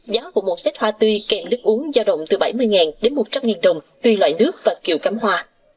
giá của một xét hoa tươi kèm nước uống giao động từ bảy mươi đến một trăm linh đồng tùy loại nước và kiểu cắm hoa